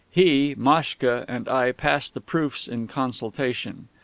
He, Maschka, and I passed the proofs in consultation.